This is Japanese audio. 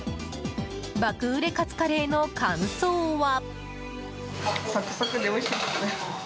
爆売れカツカレーの感想は。